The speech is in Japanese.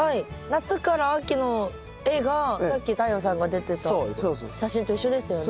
夏から秋の絵がさっき太陽さんが出てた写真と一緒ですよね。